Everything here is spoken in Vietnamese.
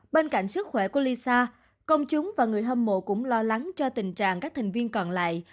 bên cạnh sức khỏe của lisa công chúng và người hâm mộ cũng lo lắng cho tình trạng các thành viên còn lại